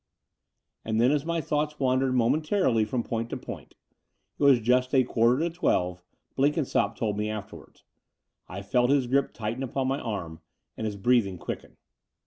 And then, as my thoughts wandered momen^ tarily from point to point — ^it was just a quarter to twelve, Blenkinsopp told me afterwards — I felt his grip tighten upon my arm, and his breathing quicken.